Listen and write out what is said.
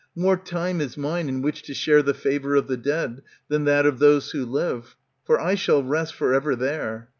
More time is mine In which to share the favour of the dead. Than that of those who live ; for I shall rest For ever there.